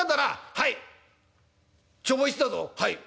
「はい」。